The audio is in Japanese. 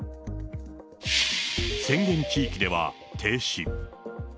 宣言地域では停止。